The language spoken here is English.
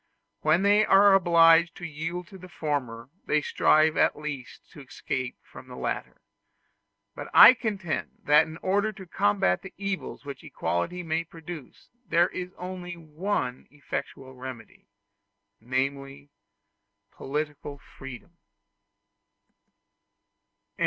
When they are obliged to yield to the former, they strive at least to escape from the latter. But I contend that in order to combat the evils which equality may produce, there is only one effectual remedy namely, political freedom.